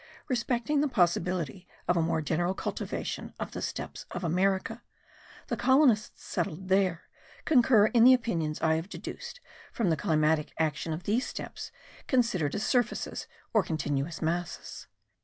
Respecting the possibility of a more general cultivation of the steppes of America, the colonists settled there, concur in the opinions I have deduced from the climatic action of these steppes considered as surfaces, or continuous masses.